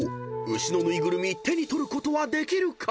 牛の縫いぐるみ手に取ることはできるか？］